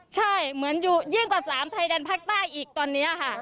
ใช่เหมือนอยู่ยิ่งกว่า๓ไทยแดนภาคใต้อีกตอนนี้ค่ะ